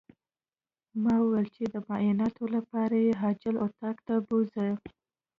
ما ويل چې د معايناتو لپاره يې عاجل اتاق ته بوځئ.